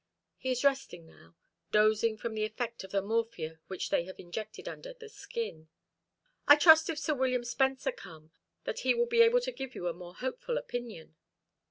He is resting now, dozing from the effect of the morphia which they have injected under the skin." "I trust if Sir William Spencer come that he will be able to give you a more hopeful opinion."